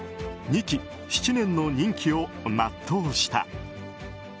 ２期７年の任期を全うした。